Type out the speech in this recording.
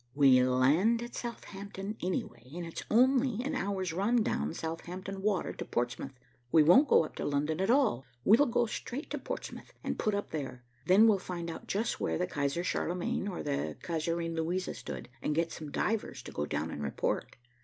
"We land at Southampton, anyway, and it's only an hour's run down Southampton Water to Portsmouth. We won't go up to London at all; we'll go straight to Portsmouth and put up there. Then we'll find out just where the Kaiser Charlemagne or the Kaiserin Luisa stood, and get some divers to go down and report."